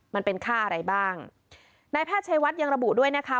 มันเป็นค่าอะไรบ้างนายแพทย์ชัยวัดยังระบุด้วยนะคะ